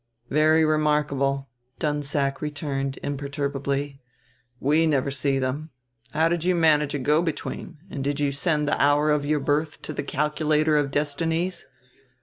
"Very remarkable," Dunsack returned imperturbably. "We never see them. How did you manage a go between, and did you send the hour of your birth to the Calculator of Destinies?